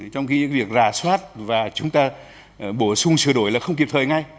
trong khi việc rà soát và chúng ta bổ sung sửa đổi là không kịp thời ngay